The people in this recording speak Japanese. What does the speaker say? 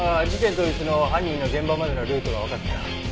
事件当日の犯人の現場までのルートがわかったよ。